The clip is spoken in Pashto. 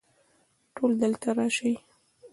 ټول دلته راشئ